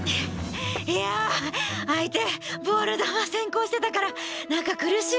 いやあ相手ボール球先行してたからなんか苦しいのかなって。